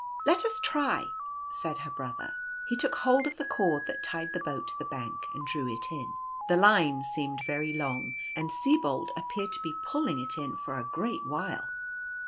" Let us try," said her brother. He took hold of the cord that tied the boat to the bank, and drew it in. The line seemed very long, and Sibold appeared to be pulling it in for a great while.